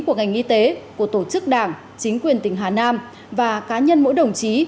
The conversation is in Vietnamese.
của ngành y tế của tổ chức đảng chính quyền tỉnh hà nam và cá nhân mỗi đồng chí